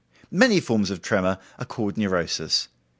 Many forms of tremor are called neurosis.